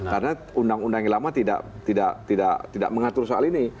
karena undang undang yang lama tidak mengatur soal ini